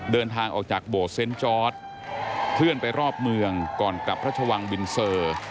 เดินทางออกจากโบสเซนต์จอร์ดเคลื่อนไปรอบเมืองก่อนกลับพระชวังบินเซอร์